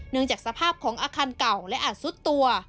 จากสภาพของอาคารเก่าและอาจซุดตัว